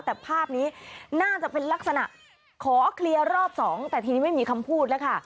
แต่ภาพนี้น่าจะเป็นลักษณะขอเคลียร์รอบสองแต่ทีนี้ไม่มีคำพูดแล้วค่ะ